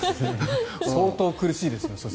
相当苦しいですね。